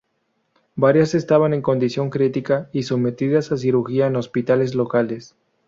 Varias estaban en condición crítica y sometidas a cirugía en hospitales locales.